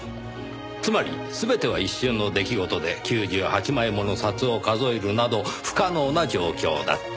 つまり全ては一瞬の出来事で９８枚もの札を数えるなど不可能な状況だった。